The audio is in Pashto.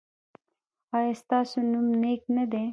ایا ستاسو نوم نیک نه دی؟